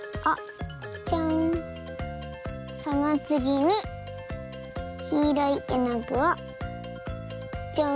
そのつぎにきいろいえのぐをちょん。